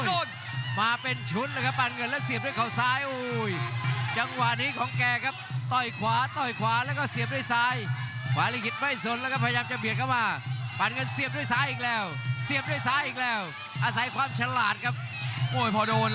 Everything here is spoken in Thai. โอ้โหทิ้งด้วยหมัดเติมด้วยหมัดอีกทีเอาเลยครับโต้น